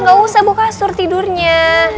gak usah mau kasur tidurnya